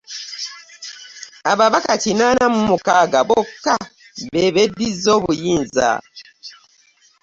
Ababaka kinaana mu mukaaka bokka be beddizza obuyinza